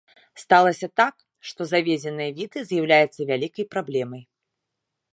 Сталася так, што завезеныя віды з'яўляюцца вялікай праблемай.